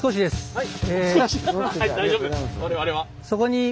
はい。